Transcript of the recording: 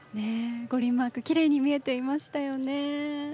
五輪マーク、きれいに見えていましたよね。